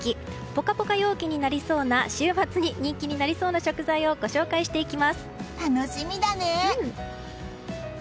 ポカポカ陽気になりそうな週末に人気になりそうな食材を楽しみだね！